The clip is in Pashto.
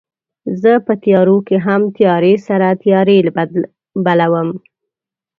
زه په تیارو کې هم تیارې سره تیارې بلوم